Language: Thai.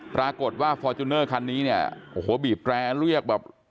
ปรากฏว่าฟอร์จูเนอร์คันนี้เนี่ยโอ้โหบีบแร้เรียกแบบ